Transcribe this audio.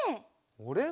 あれ？